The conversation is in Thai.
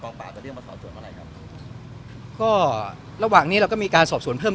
ป่าจะเรียกมาสอบสวนเมื่อไหร่ครับก็ระหว่างนี้เราก็มีการสอบสวนเพิ่ม